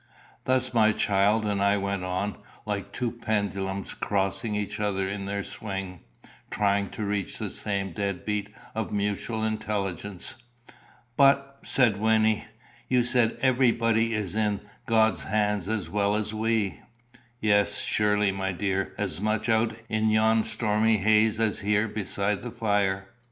Thus my child and I went on, like two pendulums crossing each other in their swing, trying to reach the same dead beat of mutual intelligence. "But," said Wynnie, "you say everybody is in God's hands as well as we." "Yes, surely, my dear; as much out in yon stormy haze as here beside the fire."